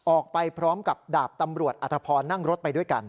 ออกไปพร้อมกับดาบตำรวจอธพรนั่งรถไปด้วยกัน